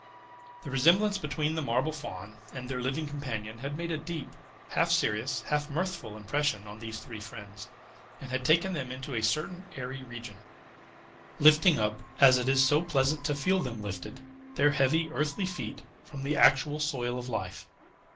The resemblance between the marble Faun and their living companion had made a deep, half serious, half mirthful impression on these three friends, and had taken them into a certain airy region, lifting up, as it is so pleasant to feel them lifted, their heavy earthly feet from the actual soil of life.